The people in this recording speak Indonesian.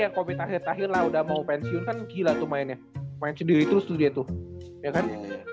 yang komitasi tahila udah mau pensiun gila tuh mainnya main sendiri terus dia tuh ya kan